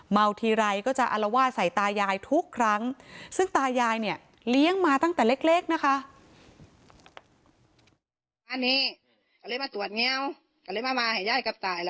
ทีไรก็จะอารวาสใส่ตายายทุกครั้งซึ่งตายายเนี่ยเลี้ยงมาตั้งแต่เล็กนะคะ